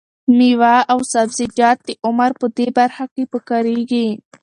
مېوه او سبزیجات د عمر په دې برخه کې پکارېږي.